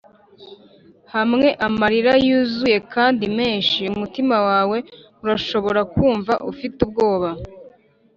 hamwe amarira yuzuye kandi menshi, umutima wawe urashobora kumva ufite ubwoba.